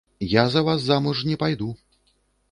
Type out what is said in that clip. Я за вас замуж не пайду.